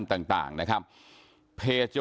สวัสดีคุณผู้ชมครับสวัสดีคุณผู้ชมครับ